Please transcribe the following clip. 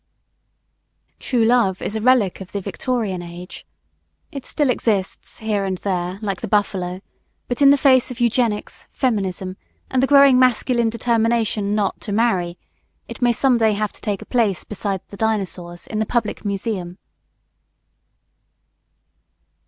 True Love is a relic of the Victorian Age. It still exists, here and there, like the buffalo; but in the face of eugenics, feminism, and the growing masculine determination not to marry, it may some day have to take a place beside the Dinosaurus in the Public Museum.